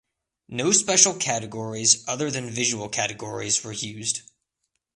No special categories other than visual categories were used.